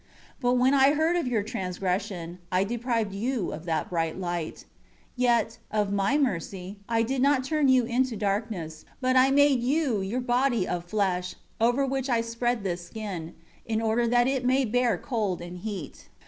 7 But when I heard of your transgression, I deprived you of that bright light. Yet, of My mercy, I did not turn you into darkness, but I made you your body of flesh, over which I spread this skin, in order that it may bear cold and heat.